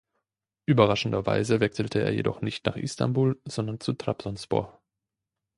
Überraschenderweise wechselte er jedoch nicht nach Istanbul, sondern zu Trabzonspor.